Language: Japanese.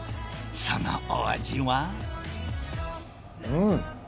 そのお味はうん！